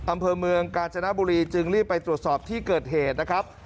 อำเภอเมืองกาญจนบุรีจึงรีบไปตรวจสอบที่เกิดเหตุนะครับ